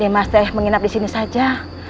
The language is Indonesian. mas teh menginap disini saja